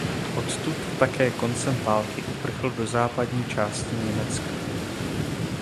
Odtud také koncem války uprchl do západní části Německa.